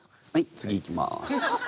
はい次いきます。